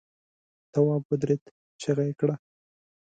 تواب ودرېد، چيغه يې کړه!